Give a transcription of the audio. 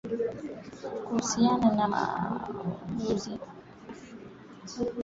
kuhusiana na mauaji hayo ya watu wengi